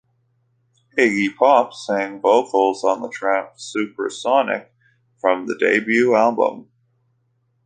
Iggy Pop sang vocals on the track "Supersonic" from the debut album.